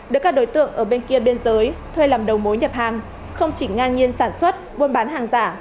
được các đối tượng ở bên kia biên giới thuê làm đầu mối nhập hàng không chỉ ngang nhiên sản xuất buôn bán hàng giả